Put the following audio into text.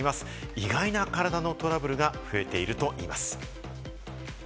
意外な体のトラブルが増えているといいます。